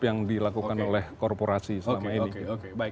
yang dilakukan oleh korporasi selama ini